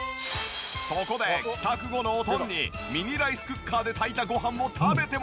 そこで帰宅後のおとんにミニライスクッカーで炊いたごはんを食べてもらった。